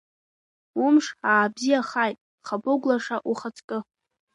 Умш аабзиахааит, Хабыгә лаша, ухаҵкы.